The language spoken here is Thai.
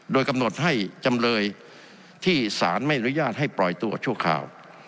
โดยกำหนดให้จำเลยที่สารไม่อนุญาตให้ปล่อยตัวชั่วคราว